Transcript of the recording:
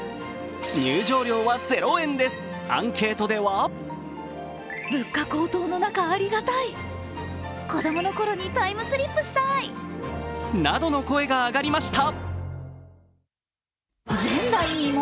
入場料は０円です、アンケートでは？などの声が上がりました。